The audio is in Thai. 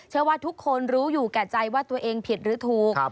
เชื่อว่าทุกคนรู้อยู่แก่ใจว่าตัวเองผิดหรือถูก